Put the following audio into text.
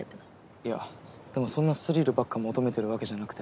いやでもそんなスリルばっか求めてるわけじゃなくて。